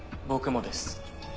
僕もです。